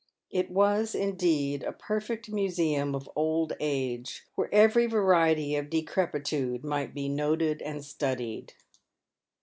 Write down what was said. It was, indeed, a perfect museum of old age, where every variety of de crepitude might be noted and studied.